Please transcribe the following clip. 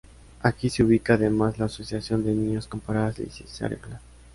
Aquí se ubica además la Asociación de Niños con Parálisis Cerebral.